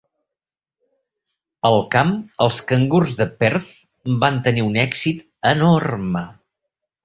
Al camp, els Cangurs de Perth van tenir un èxit enorme.